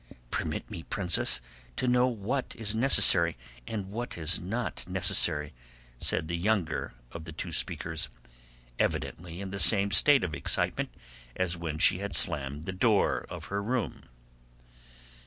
"Permit me, Princess, to know what is necessary and what is not necessary," said the younger of the two speakers, evidently in the same state of excitement as when she had slammed the door of her room.